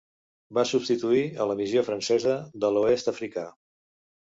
Va substituir a la Missió Francesa de l'Oest Africà.